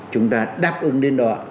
chúng ta đáp ứng đến đó